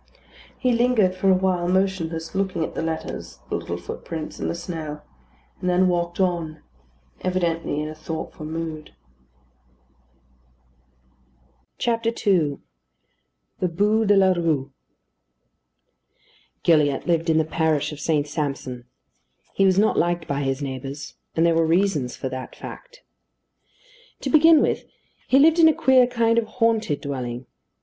He lingered for awhile motionless, looking at the letters, the little footprints, and the snow; and then walked on, evidently in a thoughtful mood. II THE BÛ DE LA RUE Gilliatt lived in the parish of St. Sampson. He was not liked by his neighbours; and there were reasons for that fact. To begin with, he lived in a queer kind of "haunted" dwelling.